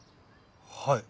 はい。